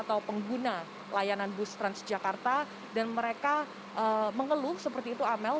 atau pengguna layanan bus transjakarta dan mereka mengeluh seperti itu amel